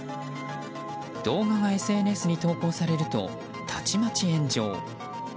動画がＳＮＳに投稿されるとたちまち炎上。